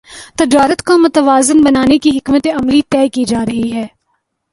تجارت کو متوازن بنانے کی حکمت عملی طے کی جارہی ہے